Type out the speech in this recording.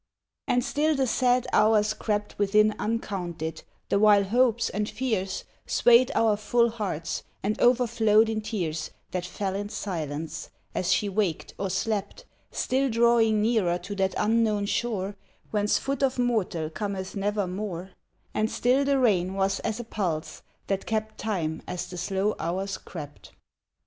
And still the sad hours crept Within uncounted, the while hopes and fears Swayed our full hearts, and overflowed in tears That fell in silence, as she waked or slept, Still drawing nearer to that unknown shore Whence foot of mortal cometh nevermore, And still the rain was as a pulse that kept Time as the slow hours crept.